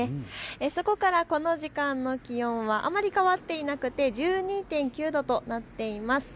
そこからこの時間の気温はあまり変わっていなくて１２．９度となっています。